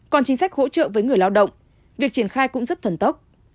còn chính sách hỗ trợ với người lao động việc triển khai cũng rất thần tốc